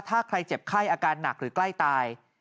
ถ้าใครเจ็บไข้อาการหนักหรือใกล้ตาย